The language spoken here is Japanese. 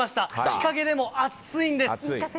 日陰でも暑いんです。